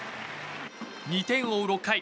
２点を追う６回。